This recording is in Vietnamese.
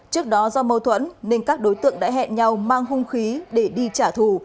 trước đó do mâu thuẫn nên các đối tượng đã hẹn nhau mang hung khí để đi trả thù